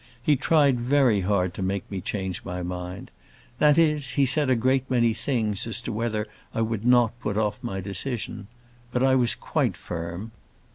He tried very hard to make me change my mind. That is, he said a great many things as to whether I would not put off my decision. But I was quite firm.